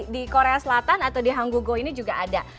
di korea selatan atau di hang gu gu ini juga ada